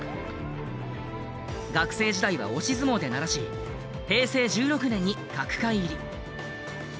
学生時代は押し相撲でならし平成１６年に角界入り。